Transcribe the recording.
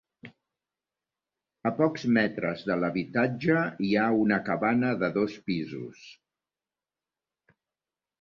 A pocs metres de l'habitatge hi ha una cabana de dos pisos.